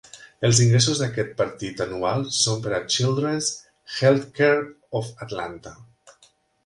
Els ingressos d'aquest partit anual són per a Children's Healthcare of Atlanta.